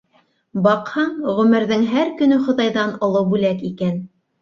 Баҡһаң, ғүмерҙең һәр көнө Хоҙайҙан оло бүләк икән!